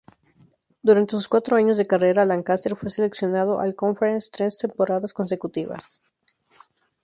Durante sus cuatro años de carrera, Lancaster fue seleccionado All-Conference tres temporadas consecutivas.